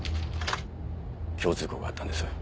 共通項があったんです。